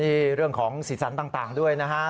นี่เรื่องของสีสันต่างด้วยนะฮะ